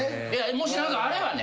もし何かあればね。